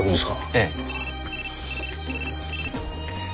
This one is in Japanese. ええ。